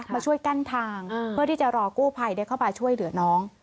มาช่วยกั้นทางเพื่อที่จะรอกู้ภัยเข้ามาช่วยเหลือน้อง